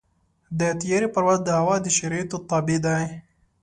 د طیارې پرواز د هوا د شرایطو تابع دی.